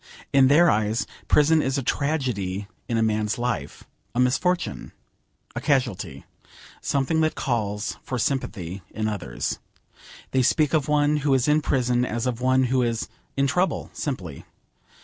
In their eyes prison is a tragedy in a man's life, a misfortune, a casuality, something that calls for sympathy in others. They speak of one who is in prison as of one who is 'in trouble' simply.